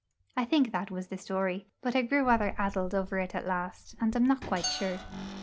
I think that was the story; but I grew rather addled over it at last, and am not quite sure.